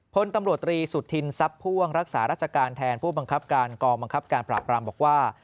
พลตำรวจตรีสุธินซับพ่วงรักษารัชการแทนผู้บังคับการกองปรับปรามบอกว่า